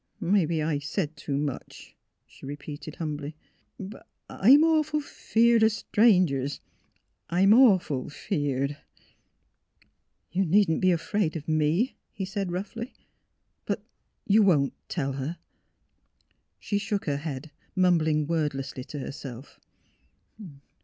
*' Mebbe I said too much," she repeated, humbly. " But I — I'm awful feared o' strangers. I'm awful — feared." " You needn't be afraid of me," he said, roughly. '' You won't — tell her? " She shook her head, mumbling wordlessly to herself.